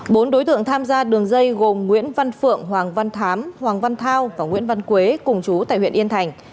bốn đối tượng tham gia đường dây gồm nguyễn văn phượng hoàng văn thám hoàng văn thao và nguyễn văn quế cùng chú tại huyện yên thành